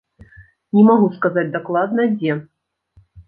Не магу сказаць дакладна, дзе.